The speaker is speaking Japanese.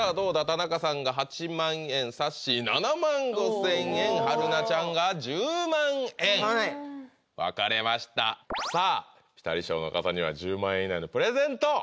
田中さんが８万円さっしー７万５０００円春菜ちゃんが１０万円分かれましたさあピタリ賞の方には１０万円以内のプレゼント